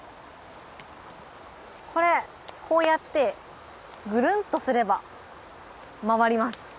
これこうやってぐるんとすれば回ります。